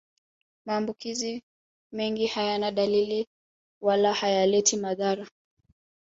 Maambukizi mengi hayana dalili wala hayaleti madhara